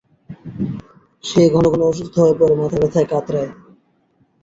সে ঘন ঘন অসুস্থ হয়ে পরে, মাথাব্যথায় কাতরায়।